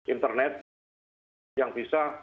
internet yang bisa